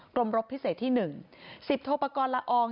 กรมรกพิเศษที่๑สิบโทประกอลละออง